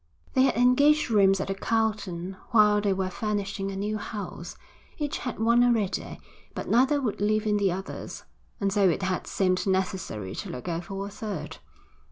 They had engaged rooms at the Carlton while they were furnishing a new house. Each had one already, but neither would live in the other's, and so it had seemed necessary to look out for a third.